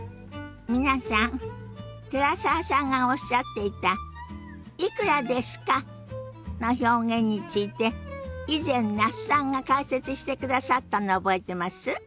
皆さん寺澤さんがおっしゃっていた「いくらですか？」の表現について以前那須さんが解説してくださったの覚えてます？